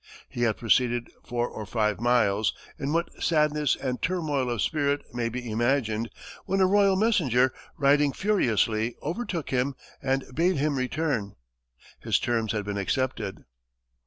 He had proceeded four or five miles, in what sadness and turmoil of spirit may be imagined, when a royal messenger, riding furiously, overtook him and bade him return. His terms had been accepted.